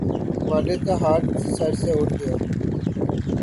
والد کا ہاتھ سر سے اٹھ گیا